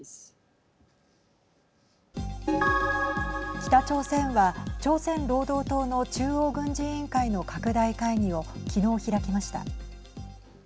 北朝鮮は朝鮮労働党の中央軍事委員会の拡大会議を昨日、開きました。